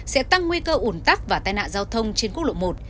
sẽ tăng nguy cơ ủn tắc và tai nạn giao thông trên quốc lộ một